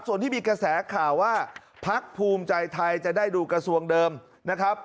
ส่วนที่มีกระแสข่าวว่าพักภูมิใจไทยจะได้ดูกระทรวงเดิมนะครับ